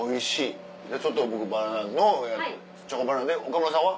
じゃあちょっと僕バナナのチョコバナナで岡村さんは？